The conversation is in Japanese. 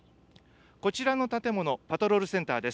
こちらの建物、パトロールセンターです。